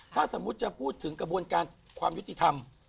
ถ้าสมมุติจะพูดถึงกระบวนการความยุติธรรม